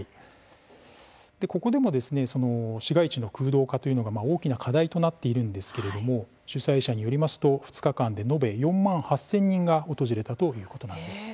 ここでも市街地の空洞化というのが大きな課題となっているんですけれども主催者によりますと２日間で延べ４万８０００人が訪れたということなんです。